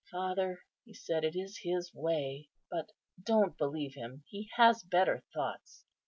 "Father," he said, "it is his way, but don't believe him. He has better thoughts.